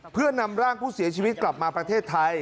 เพื่อนำร่างผู้เสียชีวิตกลับมาประเทศไทย